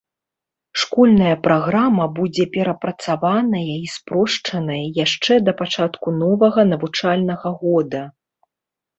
Школьная праграма будзе перапрацаваная і спрошчаная яшчэ да пачатку новага навучальнага года.